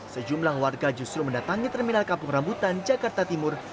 sejumlah warga justru mendatangi terminal kampung rambutan jakarta timur